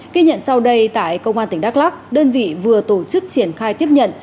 ghi nhận sau đây tại công an tỉnh đắk lắc đơn vị vừa tổ chức triển khai tiếp nhận